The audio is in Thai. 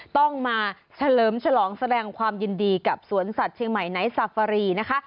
ต้องมาเฉลิมฉลองแสดงความยินดีกับสวนสัตว์เชียงใหม่ไนท์ซาฟารีนะคะ